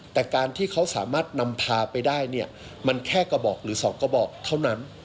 แต่การที่เขาสามารถนำพาไปได้เนี่ยมันแค่กระบอกหรือ๒กระบอกเท่านั้น